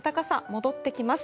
戻ってきます。